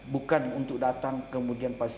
bukan untuk datang kemudian